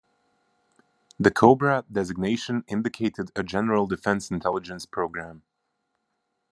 The "Cobra" designation indicated a General Defense Intelligence Program.